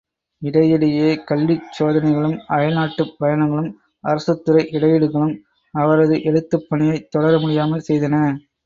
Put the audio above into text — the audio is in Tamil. இடையிடையே கல்விச் சோதனைகளும், அயல்நாட்டுப் பயணங்களும் அரசுத்துறை இடையீடுகளும், அவரது எழுத்துப் பணியைத் தொடர முடியாமல் செய்தன.